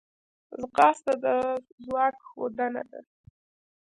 ځغاسته د ځواک ښودنه ده